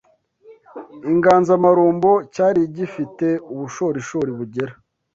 inganzamarumbo cyari gifite ubushorishori bugera